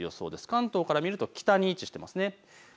関東から見ると北に位置していますね。